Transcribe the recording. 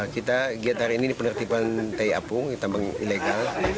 kita giat hari ini penertiban tai apung penambang ilegal